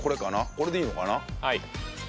これでいいのかな？